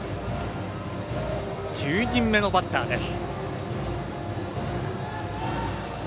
１０人目のバッターです。